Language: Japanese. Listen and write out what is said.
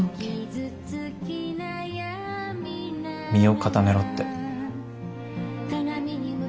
身を固めろって。